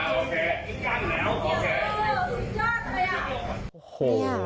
สุดยอดเลยอ่ะ